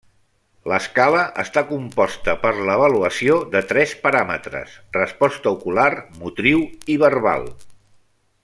L'escala està composta per l'avaluació de tres paràmetres: resposta ocular, motriu i verbal.